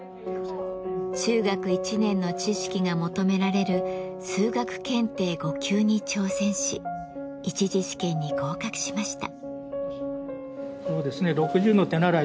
中学１年の知識が求められる数学検定５級に挑戦し１次試験に合格しました。